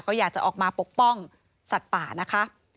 ก็อยากจะออกมาปกป้องสัตว์ป่านะคะ